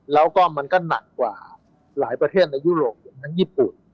แล้วก็มากกว่าหลายประเทศในยุโรปอย่างทั้งญี่ปุ่น